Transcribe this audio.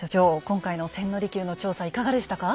今回の千利休の調査いかがでしたか？